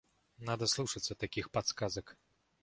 Надо слушаться таких подсказок.